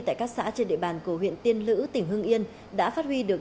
tại các xã trên địa bàn của huyện tiên lữ tỉnh hương yên đã phát huy được